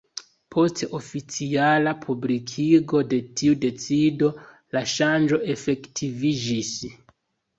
Post oficiala publikigo de tiu decido la ŝanĝo efektiviĝis.